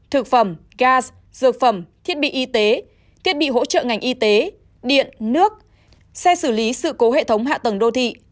thực phẩm gaz dược phẩm thiết bị y tế thiết bị hỗ trợ ngành y tế điện nước xe xử lý sự cố hệ thống hạ tầng đô thị